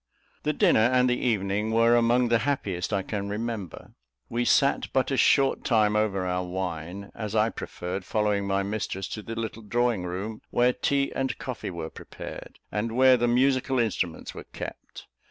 The dinner and the evening were among the happiest I can remember. We sat but a short time over our wine, as I preferred following my mistress to the little drawing room, where tea and coffee were prepared, and where the musical instruments were kept.